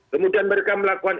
kemudian mereka melakukan